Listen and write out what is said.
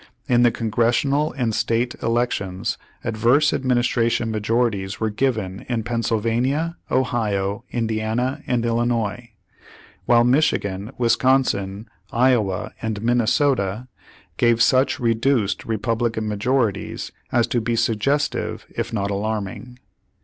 In the Congressional and State elections adverse administration majorities were given in Pennsylvania, Ohio, Indiana, and Illinois, while Michigan, Wisconsin, Iowa, and Minnesota gave such reduced Republican major ities as to be suggestive if not alarming.